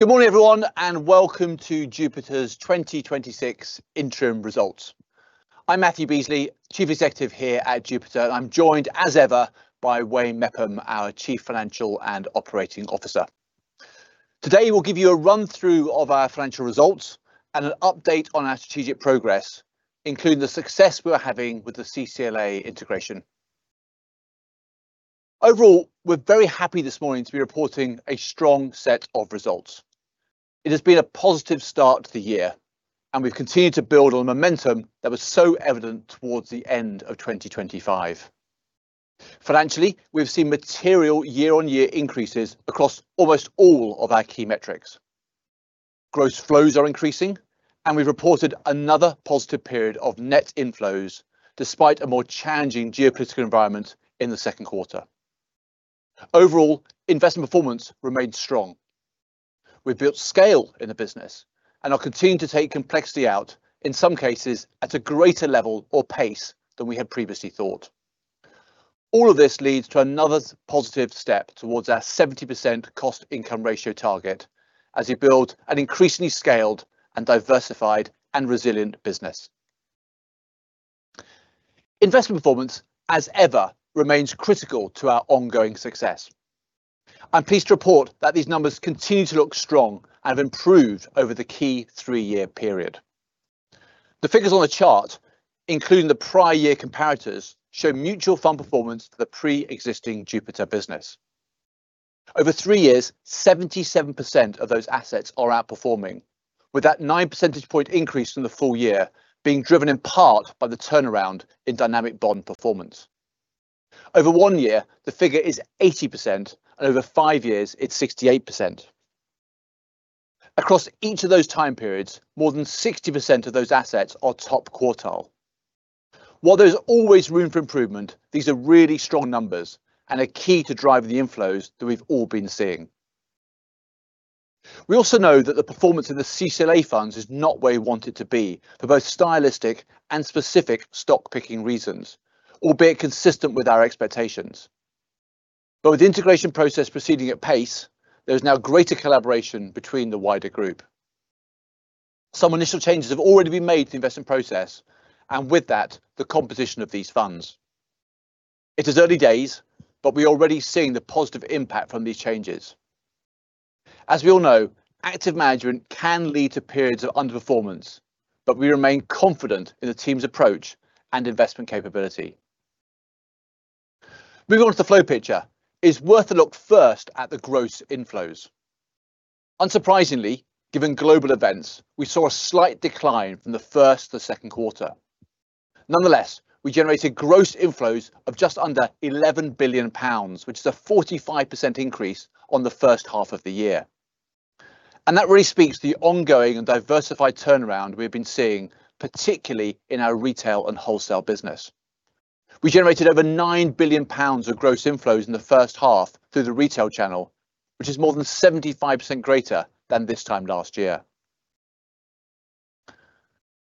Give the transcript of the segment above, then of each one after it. Good morning, everyone. Welcome to Jupiter's 2026 interim results. I am Matthew Beesley, Chief Executive here at Jupiter. I am joined as ever by Wayne Mepham, our Chief Financial and Operating Officer. Today, we will give you a run-through of our financial results and an update on our strategic progress, including the success we are having with the CCLA integration. Overall, we are very happy this morning to be reporting a strong set of results. It has been a positive start to the year. We have continued to build on the momentum that was so evident towards the end of 2025. Financially, we have seen material year-on-year increases across almost all of our key metrics. Gross flows are increasing. We have reported another positive period of net inflows despite a more challenging geopolitical environment in the second quarter. Overall, investment performance remained strong. We have built scale in the business. We are continuing to take complexity out, in some cases at a greater level or pace than we had previously thought. All of this leads to another positive step towards our 70% cost-income ratio target as we build an increasingly scaled and diversified and resilient business. Investment performance, as ever, remains critical to our ongoing success. I am pleased to report that these numbers continue to look strong. They have improved over the key three-year period. The figures on the chart, including the prior year comparators, show mutual fund performance for the preexisting Jupiter business. Over three years, 77% of those assets are outperforming, with that nine percentage point increase from the full year being driven in part by the turnaround in Dynamic Bond performance. Over one year, the figure is 80%. Over five years, it is 68%. Across each of those time periods, more than 60% of those assets are top quartile. While there is always room for improvement, these are really strong numbers. They are key to driving the inflows that we have all been seeing. We also know that the performance in the CCLA funds is not where we want it to be for both stylistic and specific stock-picking reasons, albeit consistent with our expectations. With the integration process proceeding at pace, there is now greater collaboration between the wider group. Some initial changes have already been made to the investment process. With that, the composition of these funds. It is early days. We are already seeing the positive impact from these changes. As we all know, active management can lead to periods of underperformance. We remain confident in the team's approach and investment capability. Moving on to the flow picture, it is worth a look first at the gross inflows. Unsurprisingly, given global events, we saw a slight decline from the first to the second quarter. Nonetheless, we generated gross inflows of just under 11 billion pounds, which is a 45% increase on the first half of the year. That really speaks to the ongoing and diversified turnaround we have been seeing, particularly in our retail and wholesale business. We generated over 9 billion pounds of gross inflows in the first half through the retail channel, which is more than 75% greater than this time last year.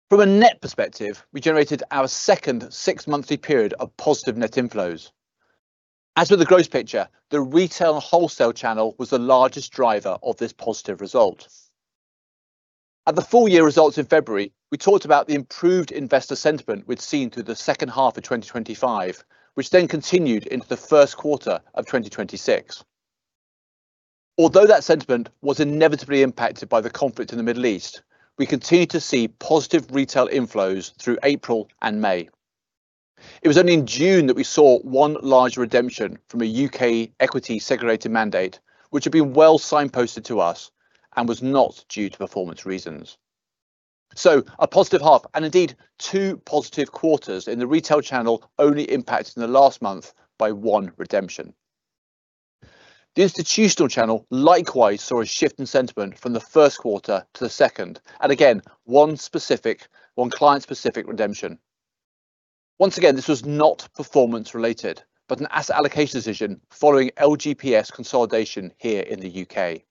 From a net perspective, we generated our second six-monthly period of positive net inflows. As with the gross picture, the retail and wholesale channel was the largest driver of this positive result. At the full year results in February, we talked about the improved investor sentiment we'd seen through the second half of 2025, which continued into the first quarter of 2026. Although that sentiment was inevitably impacted by the conflict in the Middle East, we continued to see positive retail inflows through April and May. It was only in June that we saw one large redemption from a U.K. equity segregated mandate, which had been well signposted to us and was not due to performance reasons. A positive half, and indeed two positive quarters in the retail channel only impacted in the last month by one redemption. The institutional channel likewise saw a shift in sentiment from the first quarter to the second, and again, one client-specific redemption. Once again, this was not performance related, but an asset allocation decision following LGPS consolidation here in the U.K.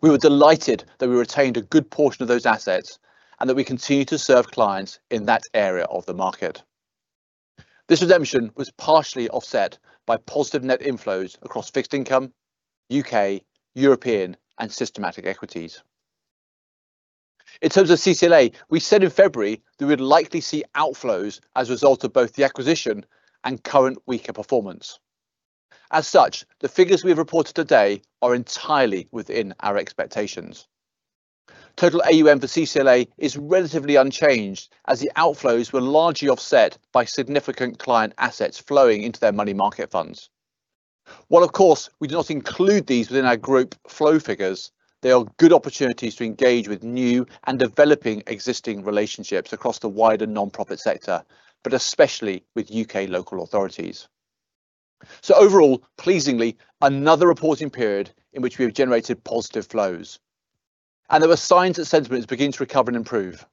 We were delighted that we retained a good portion of those assets and that we continue to serve clients in that area of the market. This redemption was partially offset by positive net inflows across fixed income, U.K., European, and systematic equities. In terms of CCLA, we said in February that we'd likely see outflows as a result of both the acquisition and current weaker performance. As such, the figures we've reported today are entirely within our expectations. Total AUM for CCLA is relatively unchanged as the outflows were largely offset by significant client assets flowing into their money market funds. While, of course, we do not include these within our group flow figures, they are good opportunities to engage with new and developing existing relationships across the wider non-profit sector, but especially with U.K. local authorities. Overall, pleasingly, another reporting period in which we have generated positive flows. There are signs that sentiments begin to recover and improve.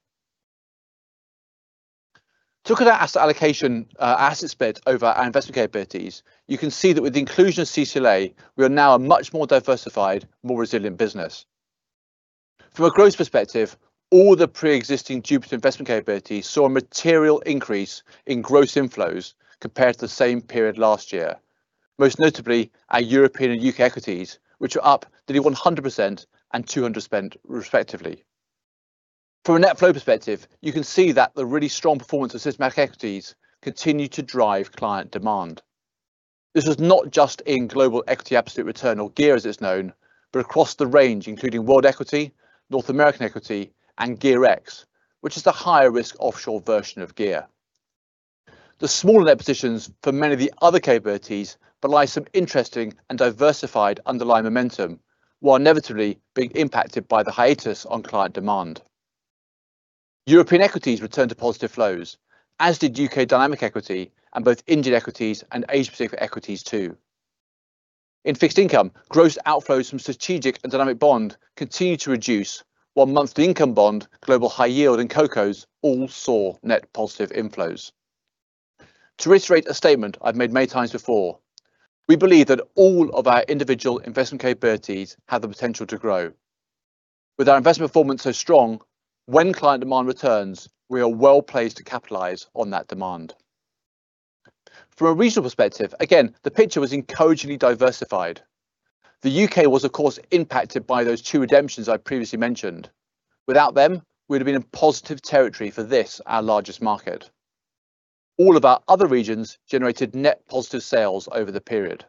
Looking at our asset allocation, asset split over our investment capabilities, you can see that with the inclusion of CCLA, we are now a much more diversified, more resilient business. From a growth perspective, all the preexisting Jupiter investment capabilities saw a material increase in gross inflows compared to the same period last year. Most notably, our European and U.K. equities, which are up nearly 100% and 200% respectively. From a net flow perspective, you can see that the really strong performance of systematic equities continue to drive client demand. This is not just in Global Equity Absolute Return or GEAR, as it's known, but across the range, including World equity, North American equity and GEARx, which is the higher risk offshore version of GEAR. The smaller net positions for many of the other capabilities belie some interesting and diversified underlying momentum, while inevitably being impacted by the hiatus on client demand. European equities returned to positive flows, as did U.K. dynamic equity, and both India equities and Asia-Pacific equities, too. In fixed income, gross outflows from Strategic and Dynamic Bond continue to reduce, while Monthly Income Bond, Global High Yield and CoCos all saw net positive inflows. To reiterate a statement I've made many times before, we believe that all of our individual investment capabilities have the potential to grow. With our investment performance so strong, when client demand returns, we are well-placed to capitalize on that demand. From a regional perspective, again, the picture was encouragingly diversified. The U.K. was, of course, impacted by those two redemptions I previously mentioned. Without them, we'd have been in positive territory for this, our largest market. All of our other regions generated net positive sales over the period.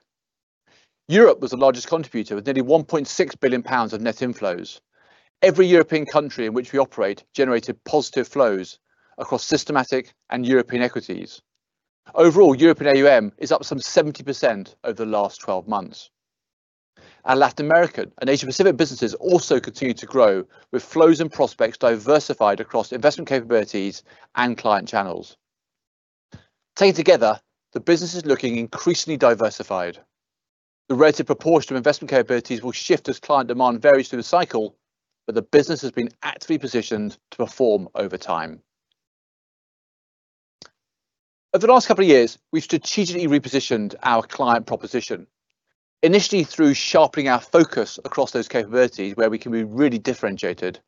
Europe was the largest contributor, with nearly 1.6 billion pounds of net inflows. Every European country in which we operate generated positive flows across Systematic Equities and European equities. Overall, European AUM is up some 70% over the last 12 months. Our Latin American and Asia-Pacific businesses also continue to grow, with flows and prospects diversified across investment capabilities and client channels. Taken together, the business is looking increasingly diversified. The relative proportion of investment capabilities will shift as client demand varies through the cycle, but the business has been actively positioned to perform over time. Over the last couple of years, we've strategically repositioned our client proposition, initially through sharpening our focus across those capabilities where we can be really differentiated,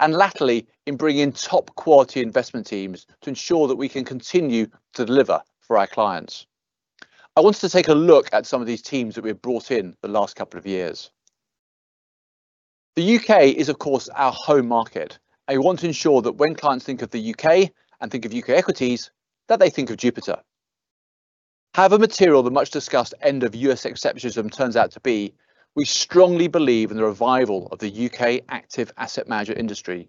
and latterly, in bringing top quality investment teams to ensure that we can continue to deliver for our clients. I wanted to take a look at some of these teams that we've brought in the last couple of years. The U.K. is, of course, our home market, and we want to ensure that when clients think of the U.K., and think of U.K. equities, that they think of Jupiter. However material the much-discussed end of U.S. exceptionalism turns out to be, we strongly believe in the revival of the U.K. active asset management industry,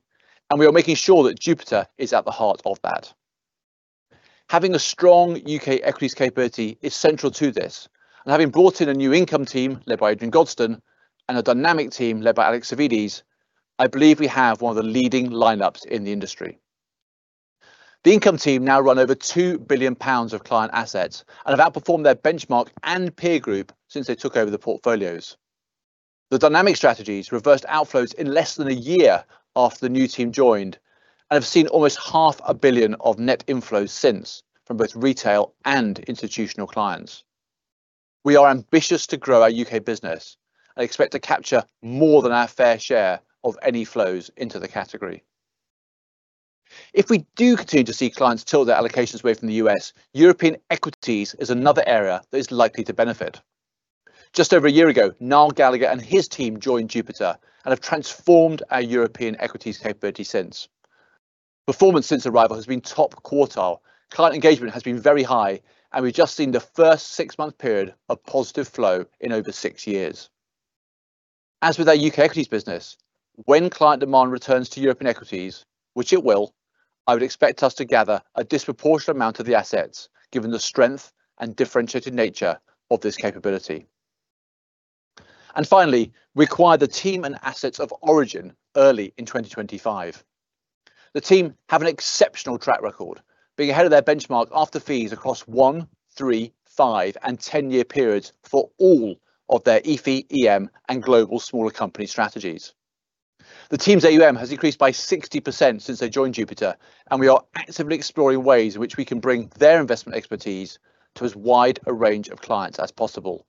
and we are making sure that Jupiter is at the heart of that. Having a strong U.K. equities capability is central to this, and having brought in a new income team led by Adrian Gosden and a dynamic team led by Alex Savvides, I believe we have one of the leading lineups in the industry. The income team now run over 2 billion pounds of client assets and have outperformed their benchmark and peer group since they took over the portfolios. The dynamic strategies reversed outflows in less than a year after the new team joined and have seen almost GBP half a billion of net inflows since from both retail and institutional clients. We are ambitious to grow our U.K. business and expect to capture more than our fair share of any flows into the category. If we do continue to see clients tilt their allocations away from the U.S., European equities is another area that is likely to benefit. Just over a year ago, Niall Gallagher and his team joined Jupiter and have transformed our European equities capability since. Performance since arrival has been top quartile. Client engagement has been very high, and we've just seen the first six-month period of positive flow in over six years. As with our U.K. equities business, when client demand returns to European equities, which it will, I would expect us to gather a disproportionate amount of the assets, given the strength and differentiated nature of this capability. Finally, we acquired the team and assets of Origin early in 2025. The team have an exceptional track record, being ahead of their benchmark after fees across one, three, five and 10-year periods for all of their EF, EM, and global smaller company strategies. The team's AUM has increased by 60% since they joined Jupiter. We are actively exploring ways in which we can bring their investment expertise to as wide a range of clients as possible.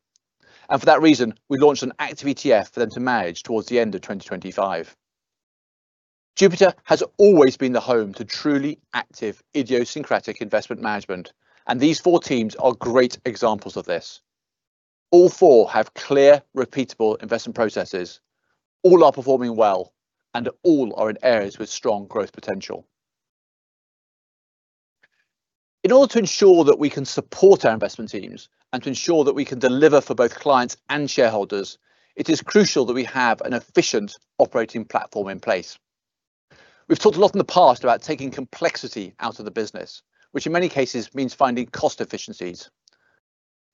For that reason, we launched an active ETF for them to manage towards the end of 2025. Jupiter has always been the home to truly active, idiosyncratic investment management. These four teams are great examples of this. All four have clear, repeatable investment processes. All are performing well. All are in areas with strong growth potential. In order to ensure that we can support our investment teams and to ensure that we can deliver for both clients and shareholders, it is crucial that we have an efficient operating platform in place. We've talked a lot in the past about taking complexity out of the business, which in many cases means finding cost efficiencies.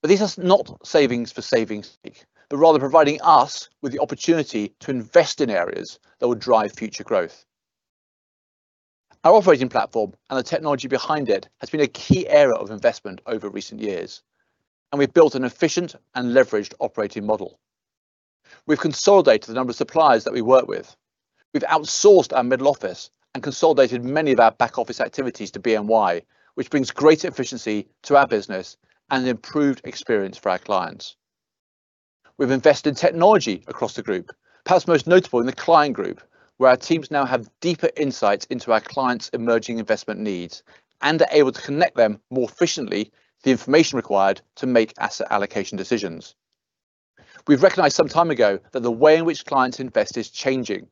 These are not savings for savings sake. They're rather providing us with the opportunity to invest in areas that will drive future growth. Our operating platform and the technology behind it has been a key area of investment over recent years. We've built an efficient and leveraged operating model. We've consolidated the number of suppliers that we work with. We've outsourced our middle office and consolidated many of our back office activities to BNY, which brings greater efficiency to our business and an improved experience for our clients. We've invested in technology across the group. Perhaps most notable in the client group, where our teams now have deeper insights into our clients' emerging investment needs and are able to connect them more efficiently the information required to make asset allocation decisions. We've recognized some time ago that the way in which clients invest is changing.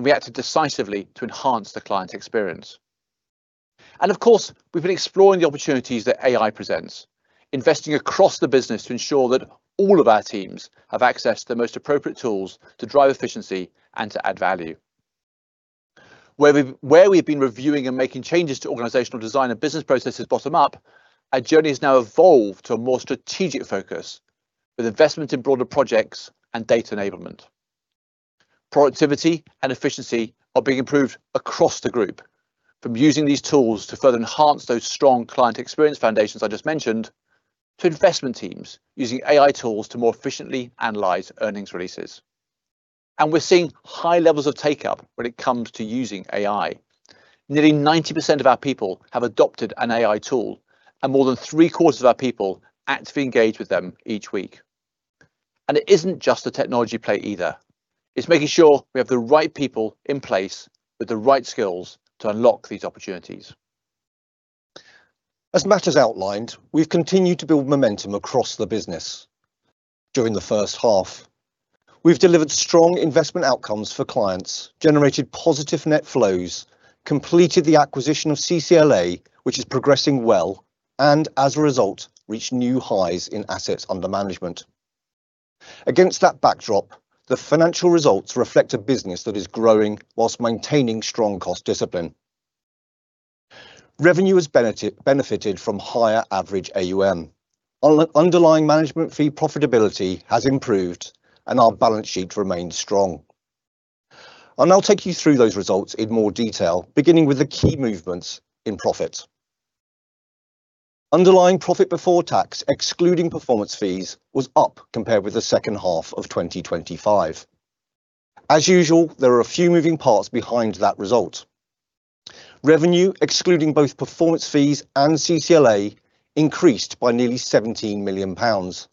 We acted decisively to enhance the client experience. Of course, we've been exploring the opportunities that AI presents, investing across the business to ensure that all of our teams have access to the most appropriate tools to drive efficiency and to add value. Where we've been reviewing and making changes to organizational design and business processes bottom-up, our journey has now evolved to a more strategic focus with investment in broader projects and data enablement. Productivity and efficiency are being improved across the group. From using these tools to further enhance those strong client experience foundations I just mentioned, to investment teams using AI tools to more efficiently analyze earnings releases. We're seeing high levels of take-up when it comes to using AI. Nearly 90% of our people have adopted an AI tool. More than three-quarters of our people actively engage with them each week. It isn't just a technology play, either. It's making sure we have the right people in place with the right skills to unlock these opportunities. As Matt has outlined, we've continued to build momentum across the business during the first half. We've delivered strong investment outcomes for clients, generated positive net flows, completed the acquisition of CCLA, which is progressing well, and as a result, reached new highs in AUM. Against that backdrop, the financial results reflect a business that is growing whilst maintaining strong cost discipline. Revenue has benefited from higher average AUM. Underlying management fee profitability has improved, and our balance sheet remains strong. I'll now take you through those results in more detail, beginning with the key movements in profit. Underlying profit before tax, excluding performance fees, was up compared with the second half of 2025. As usual, there are a few moving parts behind that result. Revenue, excluding both performance fees and CCLA, increased by nearly 17 million pounds,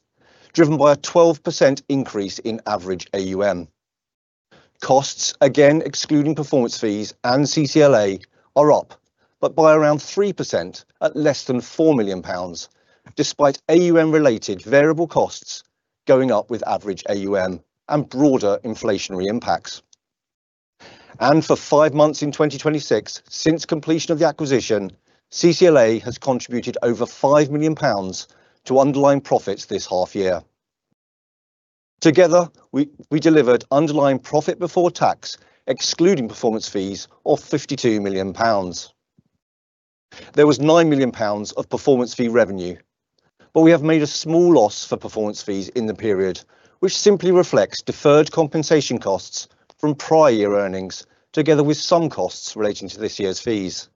driven by a 12% increase in average AUM. Costs, again excluding performance fees and CCLA, are up, but by around 3% at less than 4 million pounds, despite AUM related variable costs going up with average AUM and broader inflationary impacts. For five months in 2026, since completion of the acquisition, CCLA has contributed over 5 million pounds to underlying profits this half year. Together, we delivered underlying profit before tax, excluding performance fees, of 52 million pounds. There was 9 million pounds of performance fee revenue, but we have made a small loss for performance fees in the period, which simply reflects deferred compensation costs from prior year earnings, together with some costs relating to this year's fees.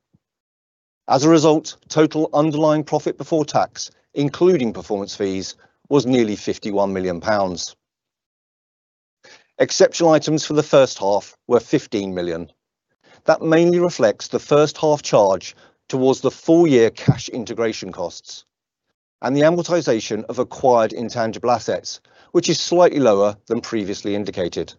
As a result, total underlying profit before tax, including performance fees, was nearly 51 million pounds. Exceptional items for the first half were 15 million. That mainly reflects the first half charge towards the full year cash integration costs and the amortization of acquired intangible assets, which is slightly lower than previously indicated.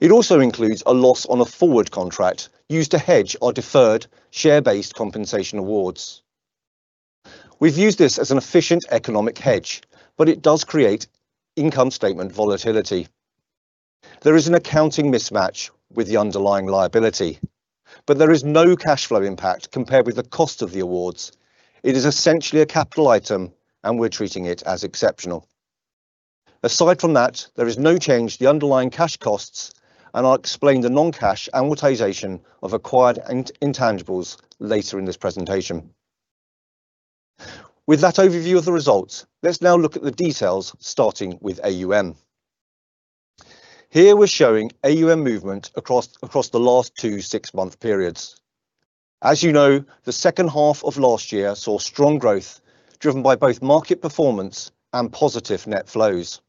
It also includes a loss on a forward contract used to hedge our deferred share-based compensation awards. We've used this as an efficient economic hedge, but it does create income statement volatility. There is an accounting mismatch with the underlying liability, but there is no cash flow impact compared with the cost of the awards. It is essentially a capital item, and we're treating it as exceptional. Aside from that, there is no change to the underlying cash costs, and I'll explain the non-cash amortization of acquired intangibles later in this presentation. With that overview of the results, let's now look at the details starting with AUM. Here, we're showing AUM movement across the last two six-month periods. As you know, the second half of last year saw strong growth, driven by both market performance and positive net flows.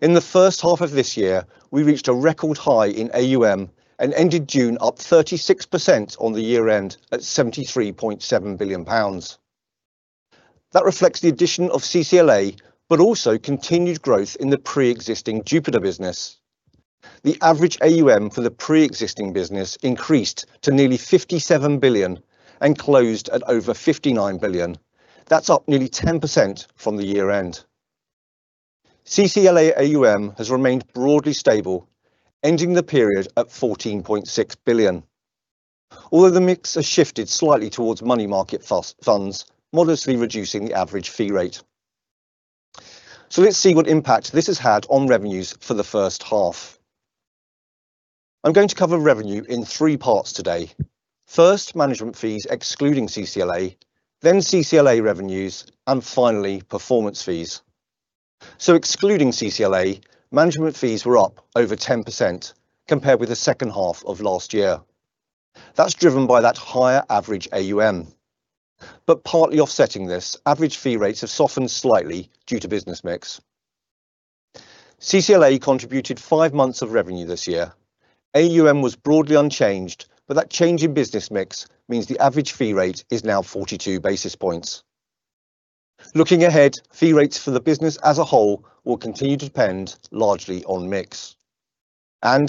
In the first half of this year, we reached a record high in AUM and ended June up 36% on the year end at 73.7 billion pounds. That reflects the addition of CCLA, but also continued growth in the preexisting Jupiter business. The average AUM for the preexisting business increased to nearly 57 billion and closed at over 59 billion. That's up nearly 10% from the year end. CCLA AUM has remained broadly stable, ending the period at 14.6 billion. Although the mix has shifted slightly towards money market funds, modestly reducing the average fee rate. Let's see what impact this has had on revenues for the first half. I'm going to cover revenue in three parts today. First, management fees excluding CCLA, then CCLA revenues, finally, performance fees. Excluding CCLA, management fees were up over 10% compared with the second half of last year. That's driven by that higher average AUM. Partly offsetting this, average fee rates have softened slightly due to business mix. CCLA contributed five months of revenue this year. AUM was broadly unchanged, that change in business mix means the average fee rate is now 42 basis points. Looking ahead, fee rates for the business as a whole will continue to depend largely on mix.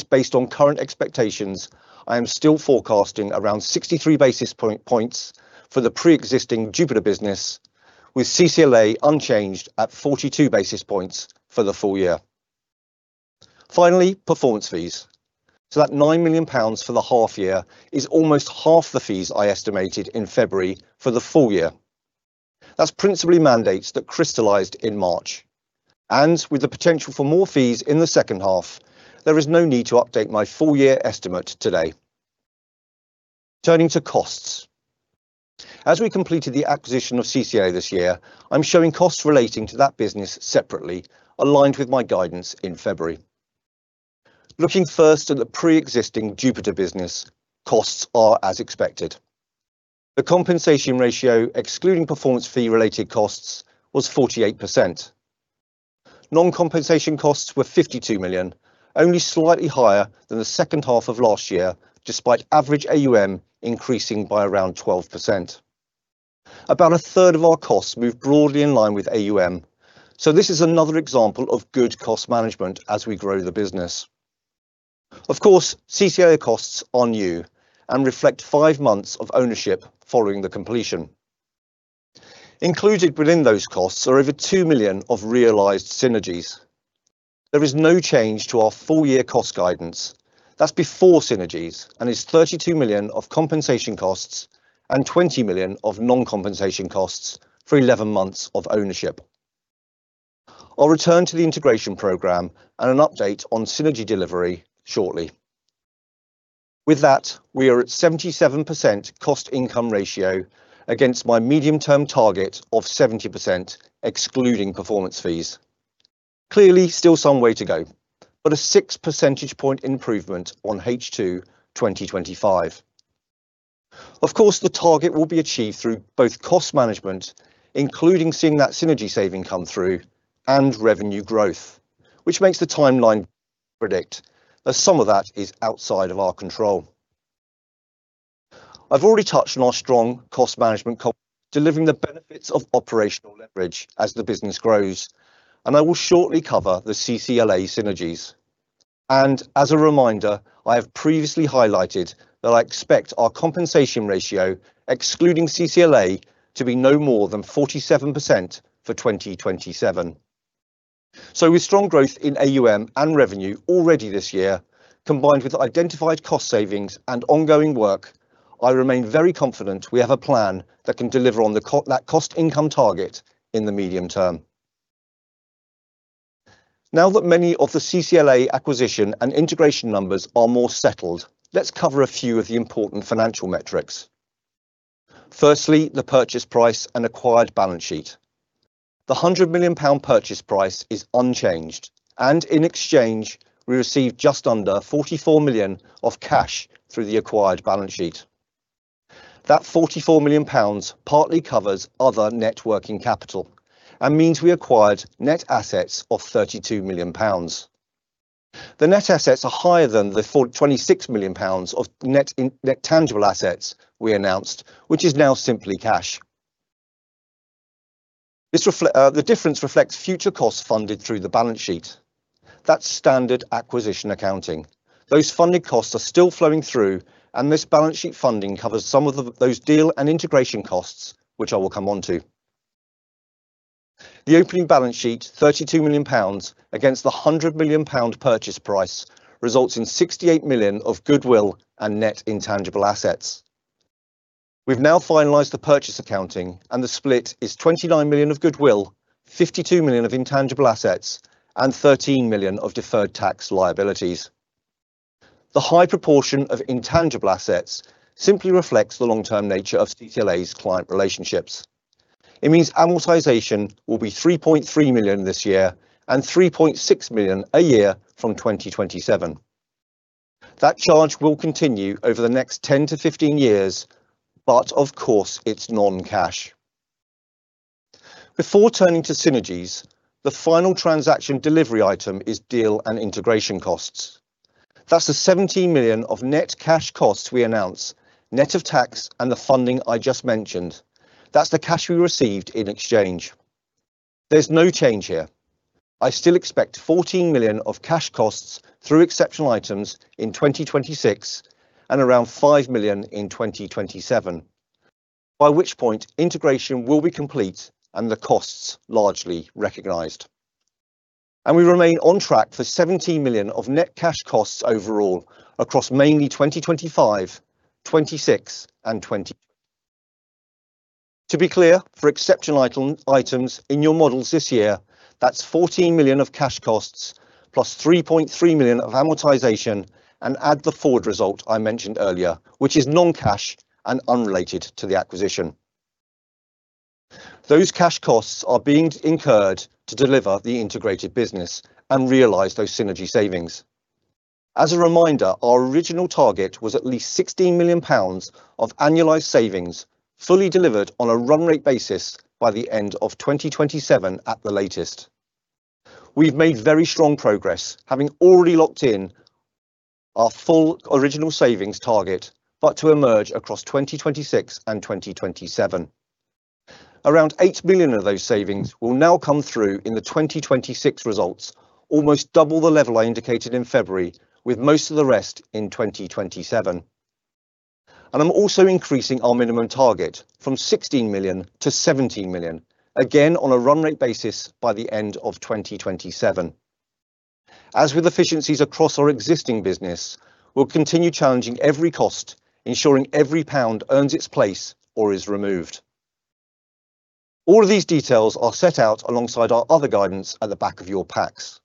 Based on current expectations, I am still forecasting around 63 basis points for the preexisting Jupiter business, with CCLA unchanged at 42 basis points for the full year. Finally, performance fees. That 9 million pounds for the half year is almost half the fees I estimated in February for the full year. That's principally mandates that crystallized in March. With the potential for more fees in the second half, there is no need to update my full year estimate today. Turning to costs. As we completed the acquisition of CCLA this year, I'm showing costs relating to that business separately, aligned with my guidance in February. Looking first at the preexisting Jupiter business, costs are as expected. The compensation ratio, excluding performance fee related costs, was 48%. Non-compensation costs were 52 million, only slightly higher than the second half of last year, despite average AUM increasing by around 12%. About a third of our costs moved broadly in line with AUM, this is another example of good cost management as we grow the business. Of course, CCLA costs are new and reflect five months of ownership following the completion. Included within those costs are over 2 million of realized synergies. There is no change to our full year cost guidance. That's before synergies and is 32 million of compensation costs and 20 million of non-compensation costs for 11 months of ownership. I'll return to the integration program and an update on synergy delivery shortly. With that, we are at 77% cost-income ratio against my medium-term target of 70%, excluding performance fees. Clearly, still some way to go, a six percentage point improvement on H2 2025. Of course, the target will be achieved through both cost management, including seeing that synergy saving come through and revenue growth, which makes the timeline predict that some of that is outside of our control. I've already touched on our strong cost management delivering the benefits of operational leverage as the business grows, I will shortly cover the CCLA synergies. As a reminder, I have previously highlighted that I expect our compensation ratio, excluding CCLA, to be no more than 47% for 2027. With strong growth in AUM and revenue already this year, combined with identified cost savings and ongoing work, I remain very confident we have a plan that can deliver on that cost-income target in the medium term. Now that many of the CCLA acquisition and integration numbers are more settled, let's cover a few of the important financial metrics. Firstly, the purchase price and acquired balance sheet. The 100 million pound purchase price is unchanged, in exchange, we received just under 44 million of cash through the acquired balance sheet. That 44 million pounds partly covers other net working capital means we acquired net assets of 32 million pounds. The net assets are higher than the 26 million pounds of net tangible assets we announced, which is now simply cash. The difference reflects future costs funded through the balance sheet. That is standard acquisition accounting. Those funded costs are still flowing through, and this balance sheet funding covers some of those deal and integration costs, which I will come onto. The opening balance sheet, 32 million pounds, against the 100 million pound purchase price, results in 68 million of goodwill and net intangible assets. We have now finalized the purchase accounting, and the split is 29 million of goodwill, 52 million of intangible assets, and 13 million of deferred tax liabilities. The high proportion of intangible assets simply reflects the long-term nature of CCLA's client relationships. It means amortization will be 3.3 million this year and 3.6 million a year from 2027. That charge will continue over the next 10-15 years, but of course, it is non-cash. Before turning to synergies, the final transaction delivery item is deal and integration costs. That is the 17 million of net cash costs we announced, net of tax and the funding I just mentioned. That is the cash we received in exchange. There is no change here. I still expect 14 million of cash costs through exceptional items in 2026 and around 5 million in 2027, by which point, integration will be complete and the costs largely recognized. We remain on track for 17 million of net cash costs overall across mainly 2025, 2026, and 2027. To be clear, for exceptional items in your models this year, that is 14 million of cash costs plus 3.3 million of amortization and add the forward result I mentioned earlier, which is non-cash and unrelated to the acquisition. Those cash costs are being incurred to deliver the integrated business and realize those synergy savings. As a reminder, our original target was at least 16 million pounds of annualized savings, fully delivered on a run-rate basis by the end of 2027 at the latest. We have made very strong progress, having already locked in our full original savings target, but to emerge across 2026 and 2027. Around 8 million of those savings will now come through in the 2026 results, almost double the level I indicated in February, with most of the rest in 2027. I am also increasing our minimum target from 16 million to 17 million, again, on a run-rate basis by the end of 2027. As with efficiencies across our existing business, we will continue challenging every cost, ensuring every GBP earns its place or is removed. All of these details are set out alongside our other guidance at the back of your packs.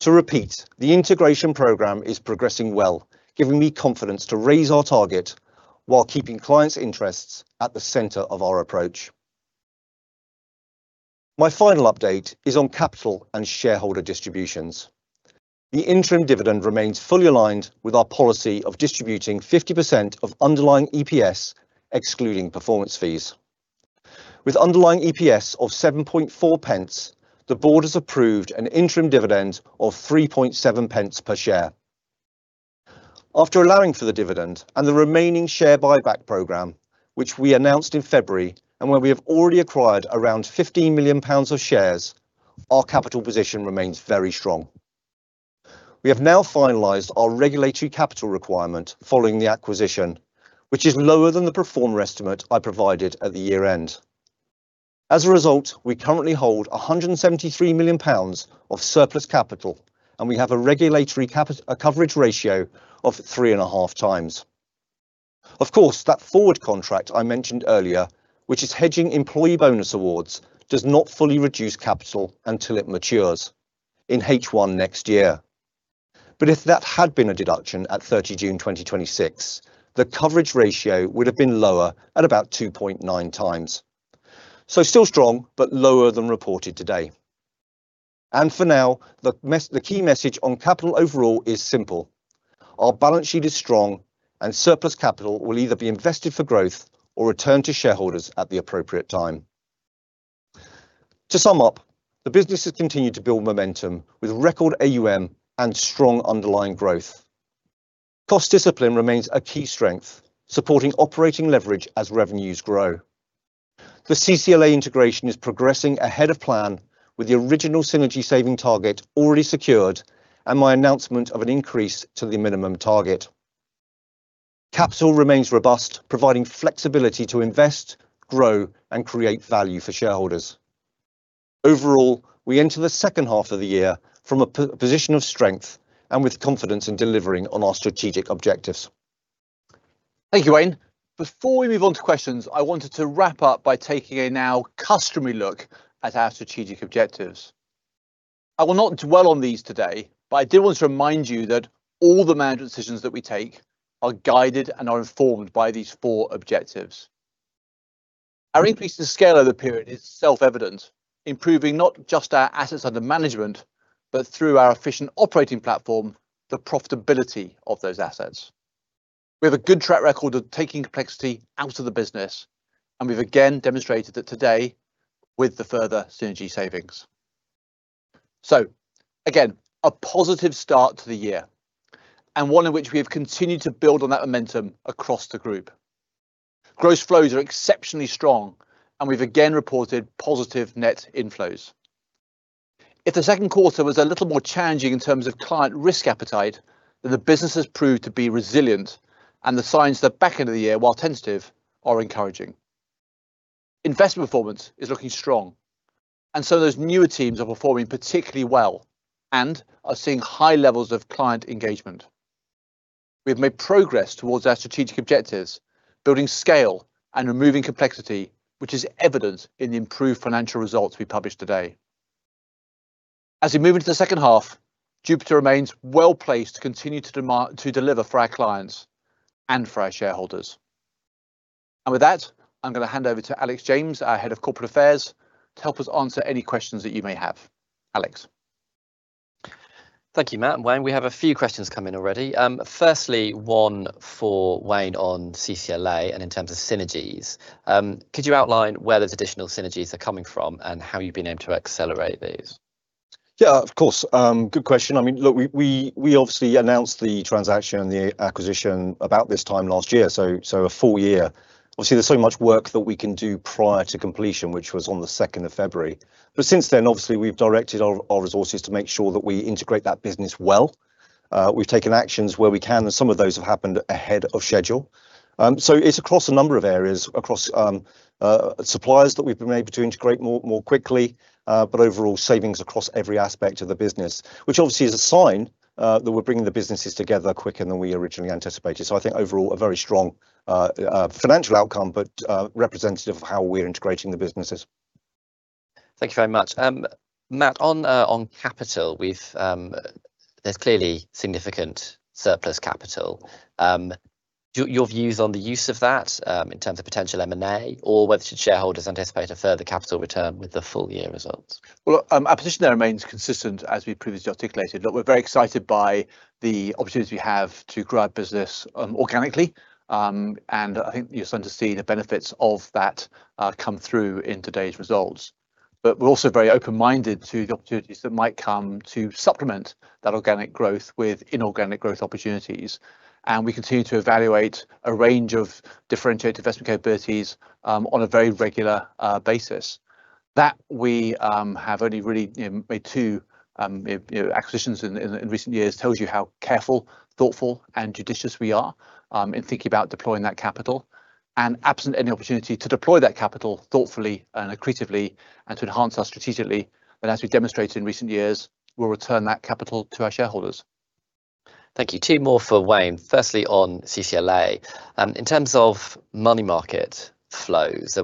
To repeat, the integration program is progressing well, giving me confidence to raise our target while keeping clients' interests at the center of our approach. My final update is on capital and shareholder distributions. The interim dividend remains fully aligned with our policy of distributing 50% of underlying EPS, excluding performance fees. With underlying EPS of 0.074, the board has approved an interim dividend of 0.037 per share. After allowing for the dividend and the remaining share buyback program, which we announced in February and where we have already acquired around 15 million pounds of shares, our capital position remains very strong. We have now finalized our regulatory capital requirement following the acquisition, which is lower than the pro forma estimate I provided at the year-end. As a result, we currently hold 173 million pounds of surplus capital, and we have a regulatory coverage ratio of 3.5x. If that had been a deduction at 30 June 2026, the coverage ratio would've been lower at about 2.9x. Still strong, but lower than reported today. For now, the key message on capital overall is simple. Our balance sheet is strong, and surplus capital will either be invested for growth or returned to shareholders at the appropriate time. To sum up, the business has continued to build momentum with record AUM and strong underlying growth. Cost discipline remains a key strength, supporting operational leverage as revenues grow. The CCLA integration is progressing ahead of plan, with the original synergy saving target already secured and my announcement of an increase to the minimum target. Capital remains robust, providing flexibility to invest, grow, and create value for shareholders. Overall, we enter H2 of the year from a position of strength and with confidence in delivering on our strategic objectives. Thank you, Wayne. Before we move on to questions, I wanted to wrap up by taking a now customary look at our strategic objectives. I will not dwell on these today, but I did want to remind you that all the management decisions that we take are guided and are informed by these four objectives. Our increase to scale over the period is self-evident, improving not just our assets under management, but through our efficient operating platform, the profitability of those assets. We have a good track record of taking complexity out of the business, and we've again demonstrated that today with the further synergy savings. Again, a positive start to the year and one in which we have continued to build on that momentum across the group. Gross flows are exceptionally strong, and we've again reported positive net inflows. If the second quarter was a little more challenging in terms of client risk appetite, then the business has proved to be resilient and the signs that back end of the year, while tentative, are encouraging. Investment performance is looking strong, and so those newer teams are performing particularly well and are seeing high levels of client engagement. We've made progress towards our strategic objectives, building scale and removing complexity, which is evident in the improved financial results we published today. As we move into H2, Jupiter remains well-placed to continue to deliver for our clients and for our shareholders. With that, I'm gonna hand over to Alex James, our Head of Corporate Affairs, to help us answer any questions that you may have. Alex. Thank you, Matt and Wayne. We have a few questions come in already. Firstly, one for Wayne on CCLA and in terms of synergies. Could you outline where those additional synergies are coming from and how you've been able to accelerate these? Yeah, of course. Good question. I mean, look, we obviously announced the transaction and the acquisition about this time last year, so a full year. Obviously, there's so much work that we can do prior to completion, which was on the 2nd of February. Since then, obviously, we've directed our resources to make sure that we integrate that business well. We've taken actions where we can, and some of those have happened ahead of schedule. It's across a number of areas, across suppliers that we've been able to integrate more quickly. Overall, savings across every aspect of the business, which obviously is a sign that we're bringing the businesses together quicker than we originally anticipated. I think overall, a very strong financial outcome, but representative of how we're integrating the businesses. Thank you very much. Matt, on capital, there's clearly significant surplus capital. Your views on the use of that in terms of potential M&A, or whether should shareholders anticipate a further capital return with the full year results? Well, our position there remains consistent as we previously articulated. Look, we're very excited by the opportunities we have to grow our business organically. I think you're starting to see the benefits of that come through in today's results. We're also very open-minded to the opportunities that might come to supplement that organic growth with inorganic growth opportunities. We continue to evaluate a range of differentiated investment capabilities on a very regular basis. That we have only really made two acquisitions in recent years tells you how careful, thoughtful, and judicious we are in thinking about deploying that capital. Absent any opportunity to deploy that capital thoughtfully and accretively and to enhance us strategically, then as we demonstrated in recent years, we'll return that capital to our shareholders. Thank you. Two more for Wayne. Firstly, on CCLA. In terms of money market flows,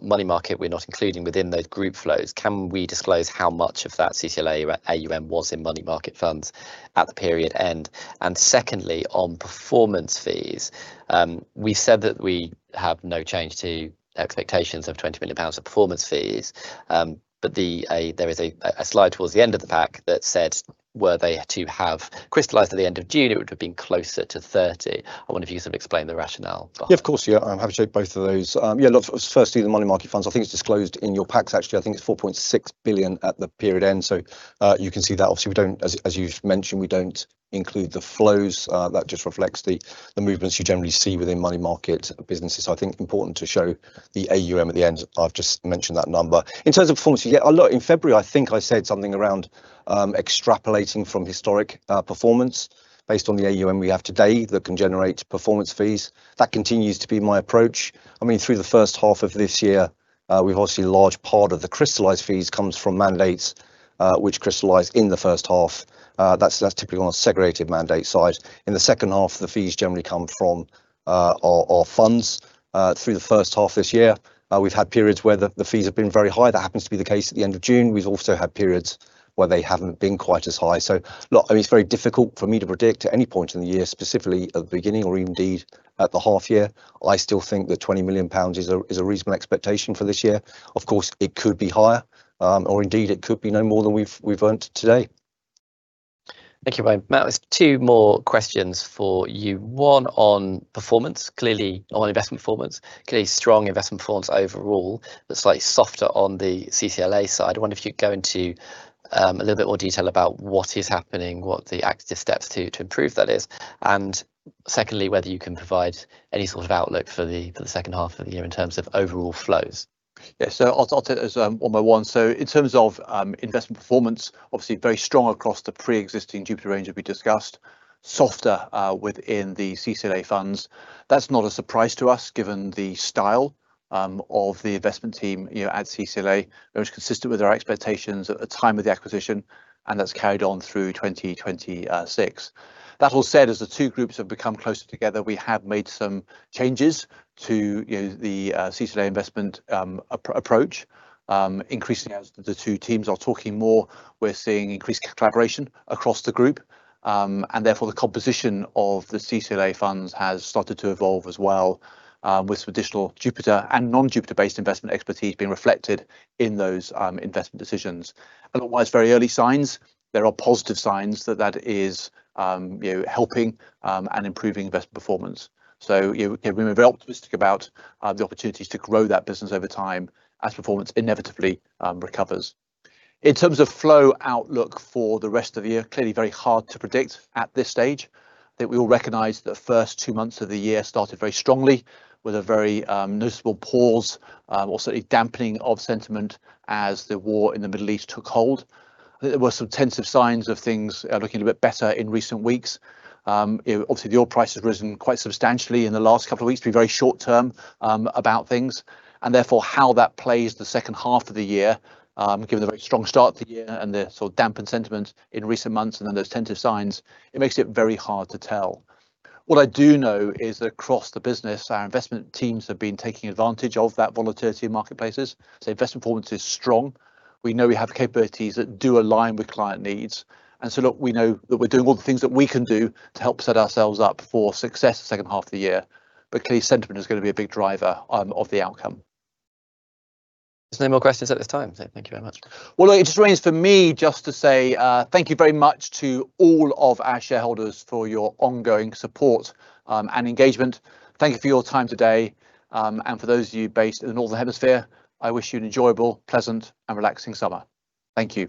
money market we're not including within those group flows. Can we disclose how much of that CCLA AUM was in money market funds at the period end? Secondly, on performance fees, we said that we have no change to expectations of 20 million pounds of performance fees. There is a slide towards the end of the pack that said were they to have crystallized at the end of June, it would've been closer to 30 million. I wonder if you can sort of explain the rationale behind that. Yeah, of course. Yeah, I'm happy to take both of those. Firstly, the money market funds, I think it's disclosed in your packs actually. I think it's 4.6 billion at the period end. You can see that. Obviously, as you've mentioned, we don't include the flows. That just reflects the movements you generally see within money market businesses. I think important to show the AUM at the end. I've just mentioned that number. In terms of performance fee, in February, I think I said something around extrapolating from historic performance based on the AUM we have today that can generate performance fees. That continues to be my approach. Through the first half of this year, we've obviously a large part of the crystallized fees comes from mandates, which crystallized in the first half. That's typically on a segregated mandate side. In the second half, the fees generally come from our funds. Through the first half this year, we've had periods where the fees have been very high. That happens to be the case at the end of June. We've also had periods where they haven't been quite as high. It's very difficult for me to predict at any point in the year, specifically at the beginning or indeed at the half year. I still think that 20 million pounds is a reasonable expectation for this year. Of course, it could be higher. Indeed, it could be no more than we've earned to date. Thank you, Wayne. Matt, there's two more questions for you. One on performance. Clearly on investment performance. Clearly strong investment performance overall, but slightly softer on the CCLA side. I wonder if you'd go into a little bit more detail about what is happening, what the active steps to improve that is. Secondly, whether you can provide any sort of outlook for the second half of the year in terms of overall flows. Yeah. I'll take one by one. In terms of investment performance, obviously very strong across the pre-existing Jupiter range that we discussed. Softer, within the CCLA funds. That's not a surprise to us given the style of the investment team at CCLA. Very much consistent with our expectations at the time of the acquisition, and that's carried on through 2026. That all said, as the two groups have become closer together, we have made some changes to the CCLA investment approach. Increasing as the two teams are talking more, we're seeing increased collaboration across the group. Therefore, the composition of the CCLA funds has started to evolve as well, with some additional Jupiter and non-Jupiter-based investment expertise being reflected in those investment decisions. Otherwise, very early signs. There are positive signs that that is helping and improving investment performance. We're very optimistic about the opportunities to grow that business over time as performance inevitably recovers. In terms of flow outlook for the rest of the year, clearly very hard to predict at this stage. I think we all recognize the first two months of the year started very strongly with a very noticeable pause or certainly dampening of sentiment as the war in the Middle East took hold. I think there were some tentative signs of things looking a bit better in recent weeks. Obviously, the oil price has risen quite substantially in the last couple of weeks, to be very short term about things. Therefore, how that plays the second half of the year, given the very strong start to the year and the sort of dampened sentiment in recent months and then those tentative signs, it makes it very hard to tell. What I do know is across the business, our investment teams have been taking advantage of that volatility in marketplaces. Investment performance is strong. We know we have capabilities that do align with client needs. Look, we know that we're doing all the things that we can do to help set ourselves up for success the second half of the year. Clearly sentiment is going to be a big driver of the outcome. There's no more questions at this time. Thank you very much. Well, look, it just remains for me just to say, thank you very much to all of our shareholders for your ongoing support and engagement. Thank you for your time today. For those of you based in the northern hemisphere, I wish you an enjoyable, pleasant, and relaxing summer. Thank you.